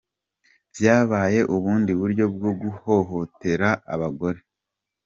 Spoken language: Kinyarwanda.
, vyabaye ubundi buryo bwo guhohotera abagore.